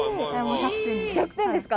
１００点ですか？